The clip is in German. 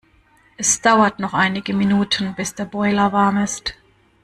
Es dauert noch einige Minuten, bis der Boiler warm ist.